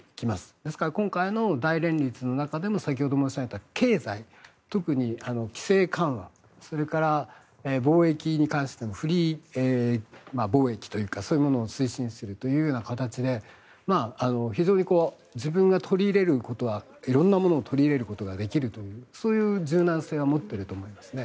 ですから、今回の大連立の中でも先ほど申し上げた経済特に規制緩和それから貿易に関してフリー貿易というかそういうものを推進するという形で非常に自分が取り入れることは色んなものを取り入れることができるというそういう柔軟性は持っていると思いますね。